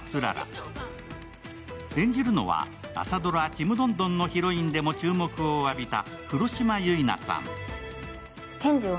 演じるのは、朝ドラ「ちむどんどん」のヒロインでも注目を浴びた黒島結菜さん。